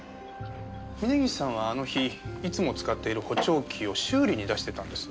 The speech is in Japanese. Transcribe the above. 峰岸さんはあの日いつも使っている補聴器を修理に出していたんです。